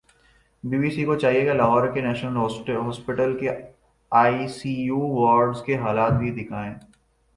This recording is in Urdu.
بی بی سی کو چاہیے کہ لاہور کے نیشنل ہوسپٹل کے آئی سی یو وارڈز کے حالات بھی دیکھائیں